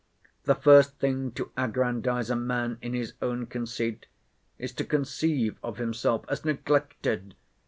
The first thing to aggrandise a man in his own conceit, is to conceive of himself as neglected.